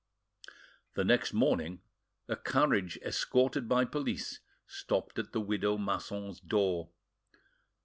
The next morning a carriage escorted by police stopped at the widow Masson's door.